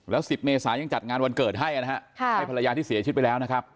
แล้ว๑๐เมษายังจัดงานวันเกิดให้นะฮะให้ภรรยาที่เสียชีวิตไปแล้วนะครับ